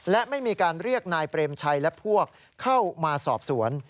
และไม่มีการเรียกนายเปรมชัยและพวกเข้ามาสอบสวน